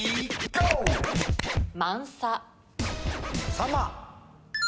さんま！